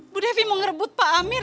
bu devi mau ngerebut pak amir